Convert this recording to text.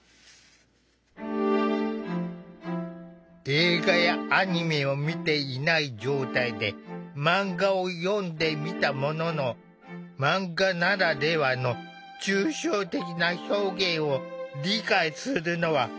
映画やアニメを見ていない状態でマンガを読んでみたもののマンガならではの抽象的な表現を理解するのは難しかった。